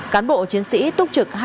cán bộ chiến sĩ túc trực